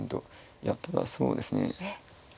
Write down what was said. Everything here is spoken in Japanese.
いやただそうですね。えっ？